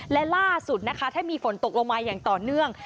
และล่าสุดนะคะถ้ามีฝนตกลงมาอย่างต่อเนื่อง